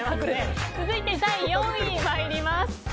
続いて第４位参ります。